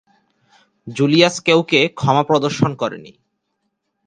Julius কেউকে ক্ষমা প্রদর্শন করেনি।